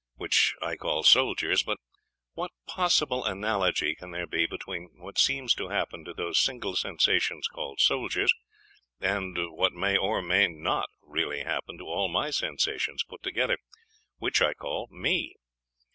which I call soldiers; but what possible analogy can there be between what seems to happen to those single sensations called soldiers, and what may or may not really happen to all my sensations put together, which I call me?